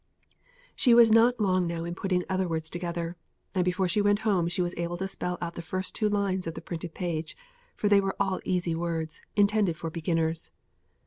She was not long now in putting other words together; and before she went home she was able to spell out the first two lines of the printed page, for they were all easy words, and intended for beginners.